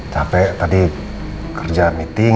capek tadi kerja meeting